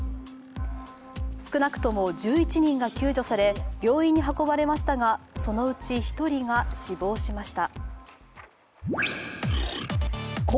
少なくとも１１人が救助され病院に運ばれましたがそのうち１人が死亡しました。